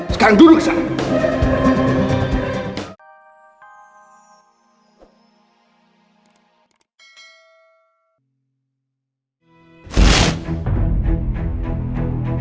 sekarang duduk disana